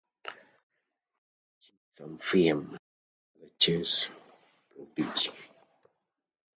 He achieved some fame as a chess prodigy.